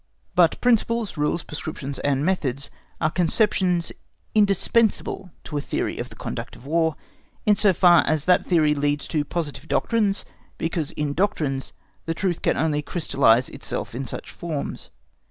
But principles, rules, prescriptions, and methods are conceptions indispensable to a theory of the conduct of War, in so far as that theory leads to positive doctrines, because in doctrines the truth can only crystallise itself in such forms.